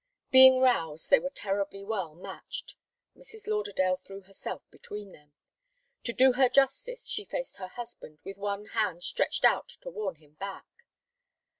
Being roused, they were terribly well matched. Mrs. Lauderdale threw herself between them. To do her justice, she faced her husband, with one hand stretched out to warn him back.